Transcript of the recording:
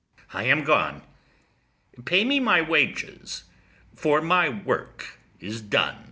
ITHAMORE. I am gone: Pay me my wages, for my work is done.